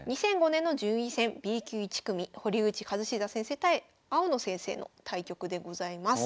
２００５年の順位戦Ｂ級１組堀口一史座先生対青野先生の対局でございます。